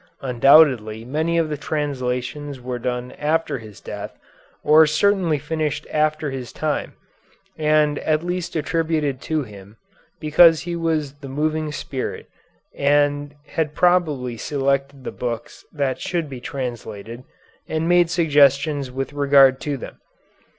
Undoubtedly many of the translations were done after his death, or certainly finished after his time, and at last attributed to him, because he was the moving spirit and had probably selected the books that should be translated, and made suggestions with regard to them.